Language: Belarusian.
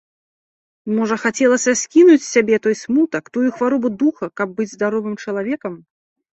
Можа, хацелася скінуць з сябе той смутак, тую хваробу духа, каб быць здаровым чалавекам?